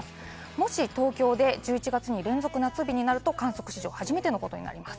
もし東京で１１月に連続夏日になると観測史上初めてのことになります。